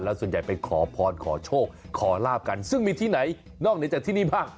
ส่วนใหญ่ไปขอพรขอโชคขอลาบกันซึ่งมีที่ไหนนอกเหนือจากที่นี่บ้าง